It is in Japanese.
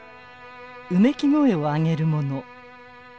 うめき声を上げる者。